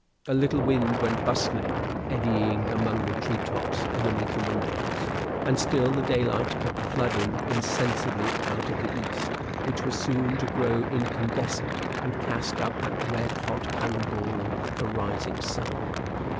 A little wind went bustling and eddying among the treetops underneath the windows. And still the daylight kept flooding insensibly out of the east, which was soon to grow incandescent and cast up that red hot cannon ball, the rising sun.